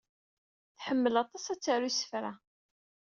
Tḥemmel aṭas ad taru isefra.